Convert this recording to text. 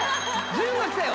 純が来たよ！